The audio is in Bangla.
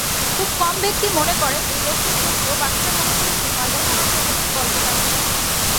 খুব কম ব্যক্তি মনে করে এই রোগটি সত্য, বাকিরা মনে করে এটি ভয় দেখানোর জন্য একটি গল্প কাহিনী।